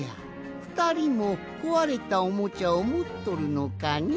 ふたりもこわれたおもちゃをもっとるのかね？